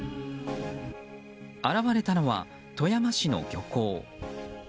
現れたのは富山市の漁港。